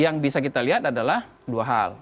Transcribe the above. yang bisa kita lihat adalah dua hal